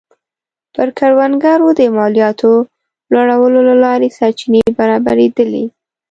پر کروندګرو د مالیاتو لوړولو له لارې سرچینې برابرېدلې